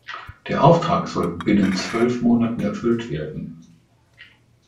Der Auftrag soll binnen zwölf Monaten erfüllt werden.